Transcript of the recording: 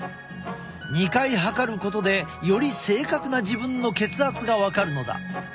２回測ることでより正確な自分の血圧が分かるのだ。